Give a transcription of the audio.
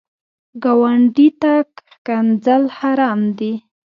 ګاونډي ته ښکنځل حرام دي